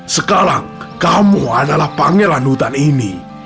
sekarang kamu adalah panggilan hutan ini